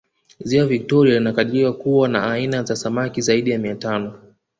ziwa victoria linakadiriwa kuwa na aina za samaki zaidi ya mia tano